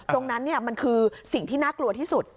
ตรงนั้นมันคือสิ่งที่น่ากลัวที่สุด